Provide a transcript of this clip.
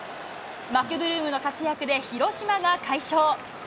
マクブルームの活躍で、広島が快勝。